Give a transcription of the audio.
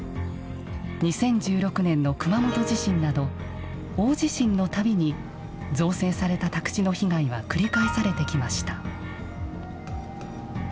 ２０１６年の熊本地震など大地震の度に造成された宅地の被害は繰り返されてきました。